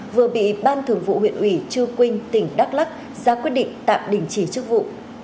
vừa bị ban thường vụ huyện ủy chư quynh tỉnh đắk lắc ra quyết định tạm đình chỉ chức vụ